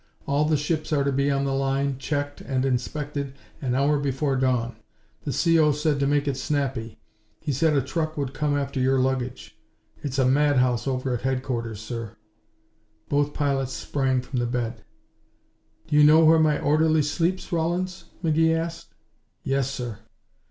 All the ships are to be on the line, checked and inspected an hour before dawn. The C.O. said to make it snappy. He said a truck would come after your luggage. It's a madhouse over at headquarters, sir." Both pilots sprang from the bed. "Do you know where my orderly sleeps, Rawlins?" McGee asked. "Yes, sir."